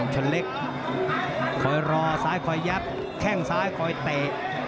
ชนเล็กคอยรอซ้ายคอยยับแข้งซ้ายคอยเตะ